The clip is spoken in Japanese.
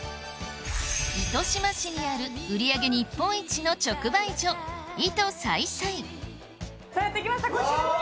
糸島市にある売り上げ日本一の直売所伊都菜彩さあやってきましたこちらです。